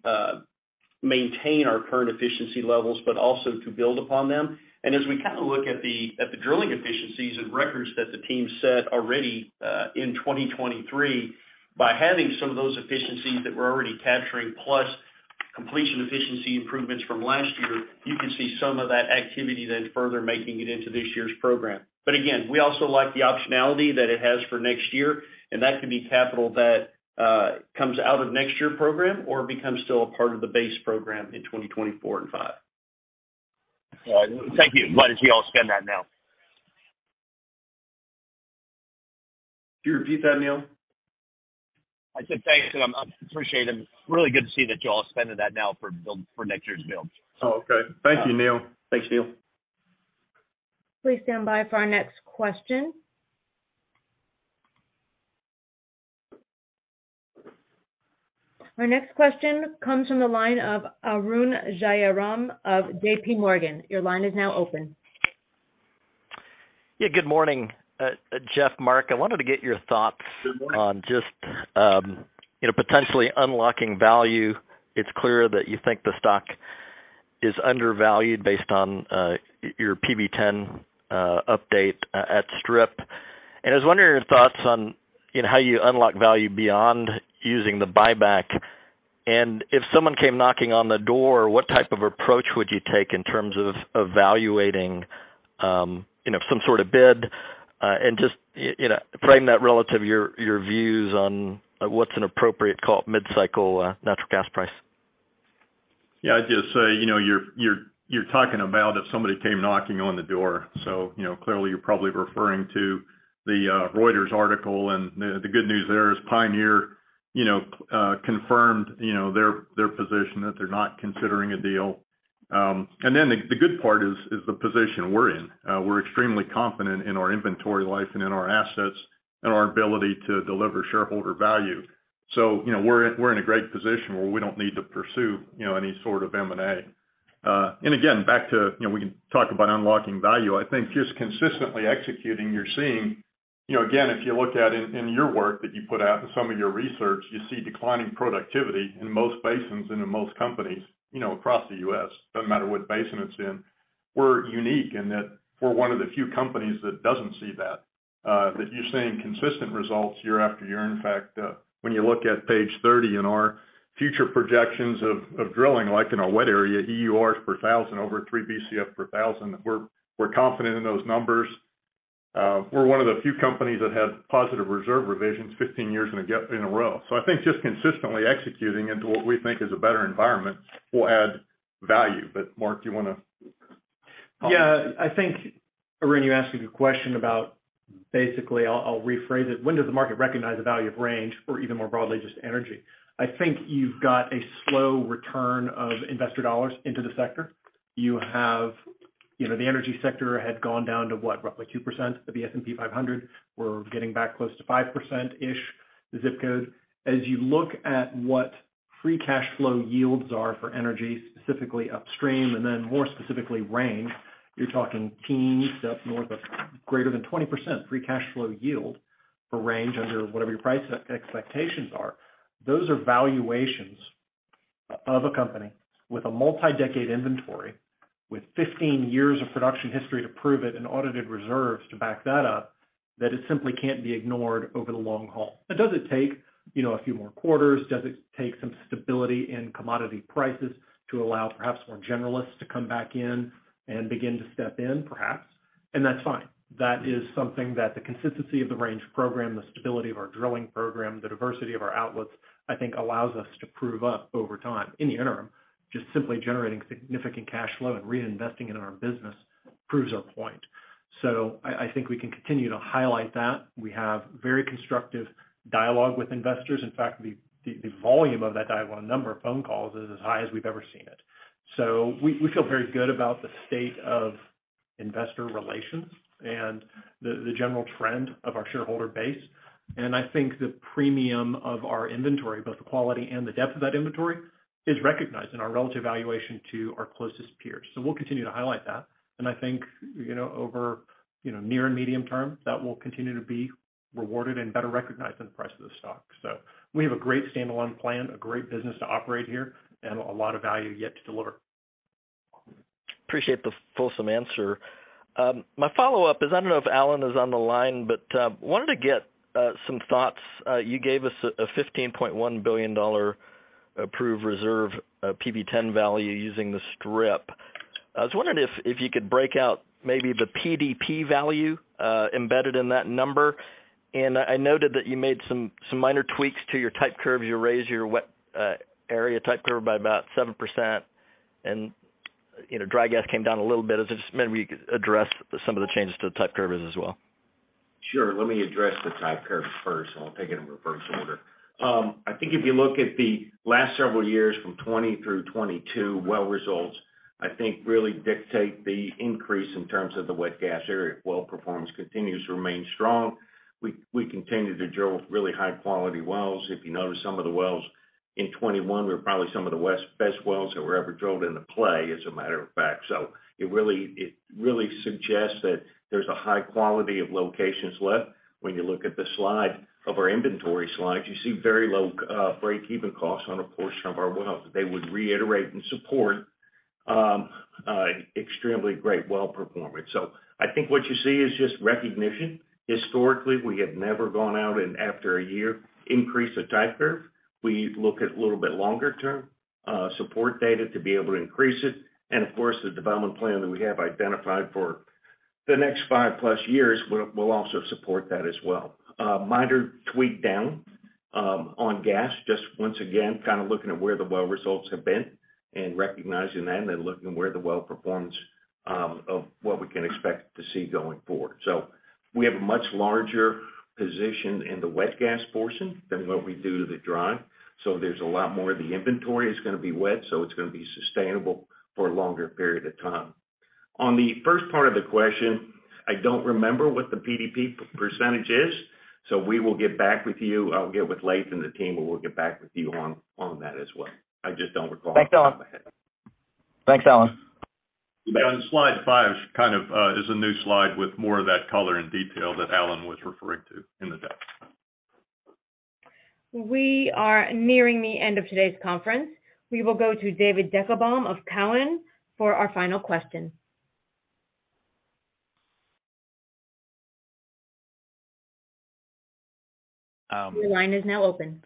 maintain our current efficiency levels, but also to build upon them. As we kinda look at the drilling efficiencies and records that the team set already in 2023, by having some of those efficiencies that we're already capturing, plus completion efficiency improvements from last year, you can see some of that activity then further making it into this year's program. Again, we also like the optionality that it has for next year, and that could be capital that comes out of next year's program or becomes still a part of the base program in 2024 and 2025. All right. Thank you. Glad to see y'all spend that now. Can you repeat that, Neal? I said thanks. I appreciate it. Really good to see that you all spending that now for next year's build. Oh, okay. Thank you, Neal. Thanks, Neal. Please stand by for our next question. Our next question comes from the line of Arun Jayaram of JPMorgan. Your line is now open. Yeah, good morning, Jeff, Mark, I wanted to get your thoughts. Good morning. -on just, you know, potentially unlocking value. It's clear that you think the stock is undervalued based on your PV-10 update at strip. I was wondering your thoughts on, you know, how you unlock value beyond using the buyback. If someone came knocking on the door, what type of approach would you take in terms of evaluating, you know, some sort of bid, and you know, frame that relative to your views on what's an appropriate call it mid-cycle natural gas price? Yeah. I'd just say, you know, you're talking about if somebody came knocking on the door. Clearly, you know, you're probably referring to the Reuters article, and the good news there is Pioneer confirmed their position that they're not considering a deal. The good part is the position we're in. We're extremely confident in our inventory life and in our assets and our ability to deliver shareholder value. You know, we're in a great position where we don't need to pursue, you know, any sort of M&A. Again, back to, you know, we can talk about unlocking value. I think just consistently executing, you're seeing, you know, again, if you look at in your work that you put out in some of your research, you see declining productivity in most basins and in most companies, you know, across the U.S., doesn't matter what basin it's in. We're unique in that we're one of the few companies that doesn't see that. That you're seeing consistent results year after year. In fact, when you look at page 30 in our future projections of drilling, like in a wet area, EURs per 1,000, over three Bcf per 1,000, we're confident in those numbers. We're one of the few companies that have positive reserve revisions 15 years in a row. I think just consistently executing into what we think is a better environment will add value. Mark, do you wanna comment? Yeah. I think, Arun, you're asking a question about, basically, I'll rephrase it. When does the market recognize the value of Range, or even more broadly, just energy? I think you've got a slow return of investor dollars into the sector. You have, you know, the energy sector had gone down to what? Roughly 2% of the S&P 500. We're getting back close to 5%-ish, the ZIP Code. As you look at what free cash flow yields are for energy, specifically upstream, and then more specifically Range, you're talking teens up north of greater than 20% free cash flow yield for Range under whatever your price e-expectations are. Those are valuations of a company with a multi-decade inventory, with 15 years of production history to prove it and audited reserves to back that up, that it simply can't be ignored over the long haul. Does it take, you know, a few more quarters? Does it take some stability in commodity prices to allow perhaps more generalists to come back in and begin to step in, perhaps? That's fine. That is something that the consistency of the Range program, the stability of our drilling program, the diversity of our outlets, I think allows us to prove up over time. In the interim, just simply generating significant cash flow and reinvesting it in our business proves our point. I think we can continue to highlight that. We have very constructive dialogue with investors. In fact, the volume of that dialogue, the number of phone calls is as high as we've ever seen it. We feel very good about the state of investor relations and the general trend of our shareholder base. I think the premium of our inventory, both the quality and the depth of that inventory, is recognized in our relative valuation to our closest peers. We'll continue to highlight that. I think, you know, over, you know, near and medium term, that will continue to be rewarded and better recognized in the price of the stock. We have a great standalone plan, a great business to operate here, and a lot of value yet to deliver. Appreciate the fulsome answer. My follow-up is, I don't know if Alan is on the line, but wanted to get some thoughts. You gave us a $15.1 billion approved reserve PV-10 value using the strip. I was wondering if you could break out maybe the PDP value embedded in that number. I noted that you made some minor tweaks to your type curve. You raised your wet area type curve by about 7%. You know, dry gas came down a little bit. I was just wondering if you could address some of the changes to the type curves as well. Sure. Let me address the type curves first, and I'll take it in reverse order. I think if you look at the last several years from 2020 through 2022 well results really dictate the increase in terms of the wet gas area. Well performance continues to remain strong. We continue to drill really high-quality wells. If you notice, some of the wells in 2021 were probably some of the best wells that were ever drilled in the play as a matter of fact. It really suggests that there's a high quality of locations left. When you look at the slide of our inventory slides, you see very low breakeven costs on a portion of our wells that they would reiterate and support extremely great well performance. I think what you see is just recognition. Historically, we have never gone out and after a year increased a type curve. We look at little bit longer term support data to be able to increase it. Of course, the development plan that we have identified for the next 5+ years will also support that as well. Minor tweak down on gas, just once again, kind of looking at where the well results have been. Recognizing that and looking where the well performance of what we can expect to see going forward. We have a much larger position in the wet gas portion than what we do to the dry. There's a lot more of the inventory is gonna be wet, so it's gonna be sustainable for a longer period of time. On the first part of the question, I don't remember what the PDP percentage is, so we will get back with you. I'll get with Laith and the team, and we'll get back with you on that as well. I just don't recall off the head. Thanks, Alan. On slide five, kind of, is a new slide with more of that color and detail that Alan was referring to in the deck. We are nearing the end of today's conference. We will go to David Deckelbaum of Cowen for our final question. Um- Your line is now open.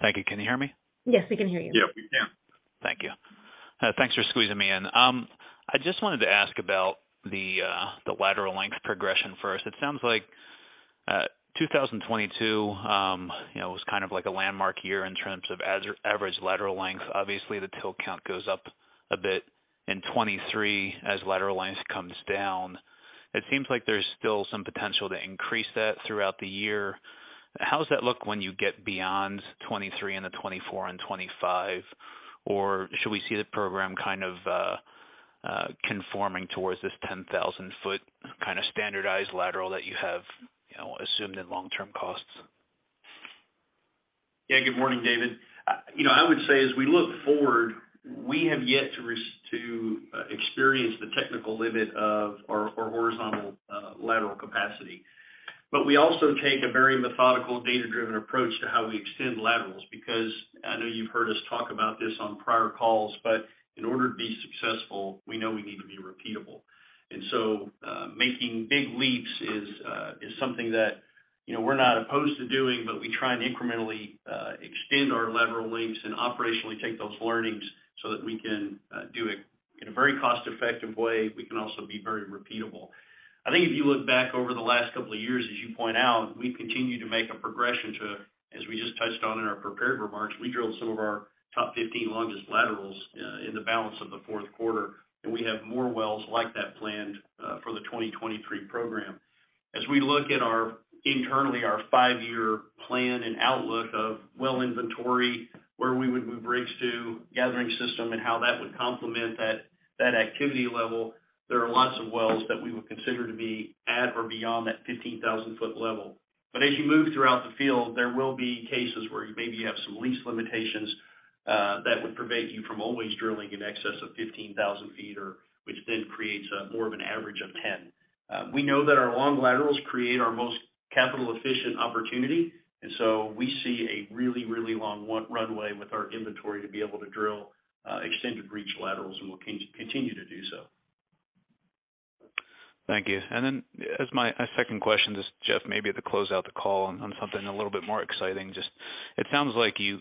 Thank you. Can you hear me? Yes, we can hear you. Yep, we can. Thank you. Thanks for squeezing me in. I just wanted to ask about the lateral length progression first. It sounds like, you know, 2022 was kind of like a landmark year in terms of average lateral length. Obviously, the TIL count goes up a bit in 23 as lateral length comes down. It seems like there's still some potential to increase that throughout the year. How does that look when you get beyond 23 into 24 and 25? Or should we see the program kind of conforming towards this 10,000 foot kind of standardized lateral that you have, you know, assumed in long-term costs? Yeah. Good morning, David. You know, I would say as we look forward, we have yet to experience the technical limit of our horizontal, lateral capacity. We also take a very methodical, data-driven approach to how we extend laterals. I know you've heard us talk about this on prior calls, but in order to be successful, we know we need to be repeatable. Making big leaps is something that, you know, we're not opposed to doing, but we try and incrementally extend our lateral lengths and operationally take those learnings so that we can do it in a very cost effective way. We can also be very repeatable. I think if you look back over the last couple of years, as you point out, we've continued to make a progression to, as we just touched on in our prepared remarks, we drilled some of our top 15 longest laterals in the balance of the Q4. We have more wells like that planned for the 2023 program. As we look at our internally our five-year plan and outlook of well inventory, where we would move rigs to, gathering system and how that would complement that activity level, there are lots of wells that we would consider to be at or beyond that 15,000 foot level. As you move throughout the field, there will be cases where you maybe have some lease limitations that would prevent you from always drilling in excess of 15,000 feet or which then creates more of an average of 10. We know that our long laterals create our most capital efficient opportunity. We see a really, really long runway with our inventory to be able to drill extended reach laterals. We'll continue to do so. Thank you. As my second question, just Jeff, maybe to close out the call on something a little bit more exciting. Just it sounds like you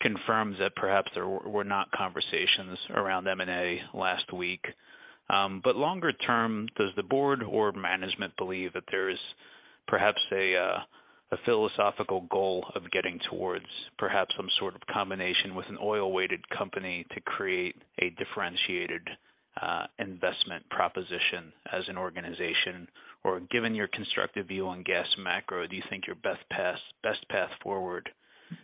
confirmed that perhaps there were not conversations around M&A last week. Longer term, does the board or management believe that there is perhaps a philosophical goal of getting towards perhaps some sort of combination with an oil-weighted company to create a differentiated investment proposition as an organization? Given your constructive view on gas macro, do you think your best path forward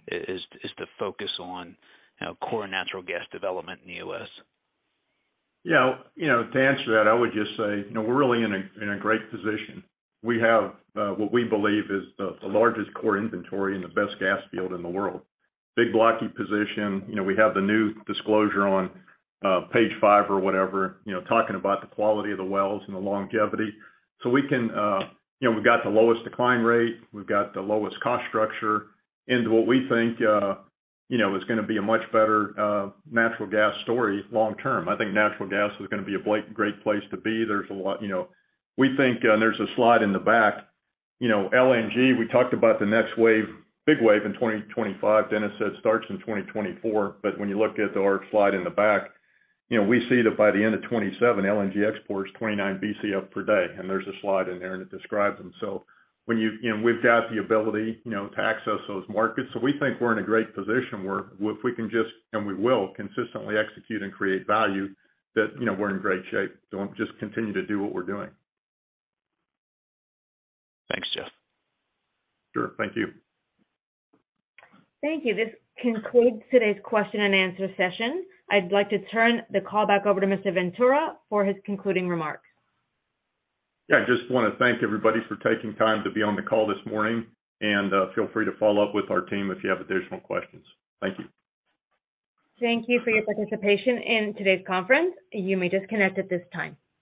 is to focus on, you know, core natural gas development in the U.S.? Yeah, you know, to answer that, I would just say, you know, we're really in a great position. We have what we believe is the largest core inventory in the best gas field in the world. Big blocky position. You know, we have the new disclosure on page five or whatever, you know, talking about the quality of the wells and the longevity. We can, you know, we've got the lowest decline rate, we've got the lowest cost structure into what we think, you know, is gonna be a much better natural gas story long term. I think natural gas is gonna be a great place to be. There's a lot, you know, we think, and there's a slide in the back. You know, LNG, we talked about the next wave, big wave in 2025. Dennis said starts in 2024. When you look at our slide in the back, you know, we see that by the end of 2027, LNG exports 29 Bcf per day, and there's a slide in there and it describes them. When you know, we've got the ability, you know, to access those markets. We think we're in a great position where if we can just, and we will consistently execute and create value, that, you know, we're in great shape. Just continue to do what we're doing. Thanks, Jeff. Sure. Thank you. Thank you. This concludes today's question and answer session. I'd like to turn the call back over to Mr. Ventura for his concluding remarks. Yeah, I just wanna thank everybody for taking time to be on the call this morning, and feel free to follow up with our team if you have additional questions. Thank you. Thank you for your participation in today's conference. You may disconnect at this time.